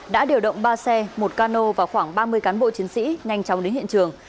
đã điều động ba xe một cano và khoảng ba mươi cán bộ chiến sĩ nhanh chóng đến hiện trường